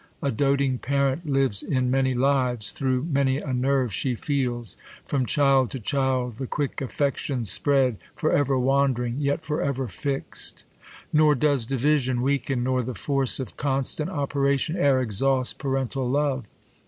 A doting parent lives In many lives ; through many a nerve she feels : From child to child the qpick affections spread, Forever wand'rmg, yet iorever fiii'd. . Nor 140 THE COLUMBIAN ORATOR. y Nor does division weaken, nor the force ' Of constant operation e'er exhaust Parental love.